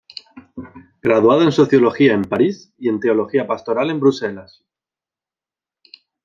Graduado en Sociología en París y en Teología Pastoral en Bruselas.